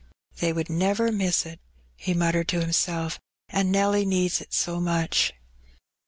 " They would never miss it," he muttered to himself, "an' Nelly needs it so much.''